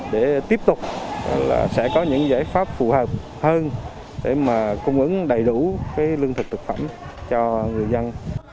để tiếp tục là sẽ có những giải pháp phù hợp hơn để mà cung ứng đầy đủ lương thực thực phẩm cho người dân